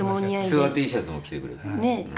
ツアーＴシャツも着てくれて。